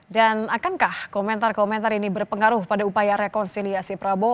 dan akankah komentar komentar ini berpengaruh pada upaya rekonsiliasi prabowo